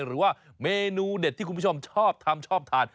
หรือว่าเมนูเด็ดที่คุณผู้ชมชอบทำชอบทาน